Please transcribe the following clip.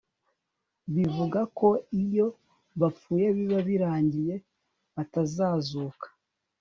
bivuga ko iyo bapfuye biba birangiye batazazuka